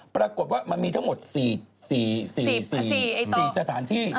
ปรากฏว่ามันมีทั้งหมด๔สถานที่